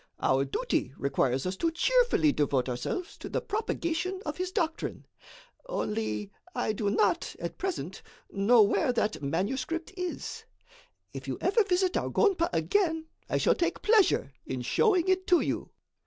Our duty requires us to cheerfully devote ourselves to the propagation of His doctrine. Only, I do not, at present, know where that manuscript is. If you ever visit our gonpa again, I shall take pleasure in showing it to you."